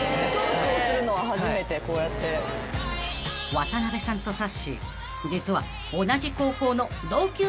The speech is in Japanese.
［渡辺さんとさっしー］